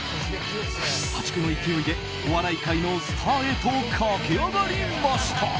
破竹の勢いでお笑い界のスターへと駆け上がりました。